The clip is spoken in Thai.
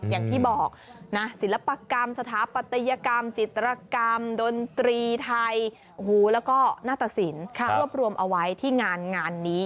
อย่างที่บอกนะศิลปกรรมสถาปัตยกรรมจิตรกรรมดนตรีไทยแล้วก็หน้าตสินรวบรวมเอาไว้ที่งานงานนี้